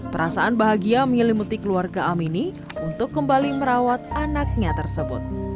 perasaan bahagia menyelimuti keluarga amini untuk kembali merawat anaknya tersebut